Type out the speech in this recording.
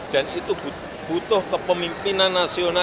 dan itu butuh kepemimpinan nasional